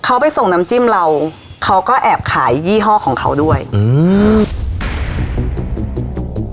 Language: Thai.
เขาไปส่งน้ำจิ้มเราเขาก็แอบขายยี่ห้อของเขาด้วยอืม